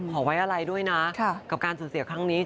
ขอไว้อะไรด้วยนะกับการเสียชีวิตครั้งนี้ค่ะ